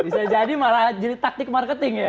bisa jadi malah jadi taktik marketing ya